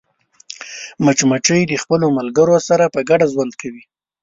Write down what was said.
مچمچۍ د خپلو ملګرو سره په ګډه ژوند کوي